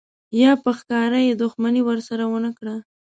یا په ښکاره یې دښمني ورسره ونه کړه.